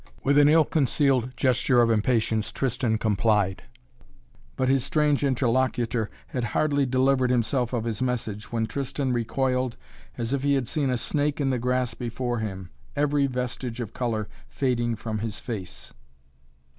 With an ill concealed gesture of impatience Tristan complied, but his strange interlocutor had hardly delivered himself of his message when Tristan recoiled as if he had seen a snake in the grass before him, every vestige of color fading from his face.